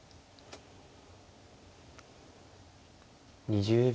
２０秒。